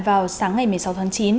vào sáng ngày một mươi sáu tháng chín